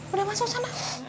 udah masuk sana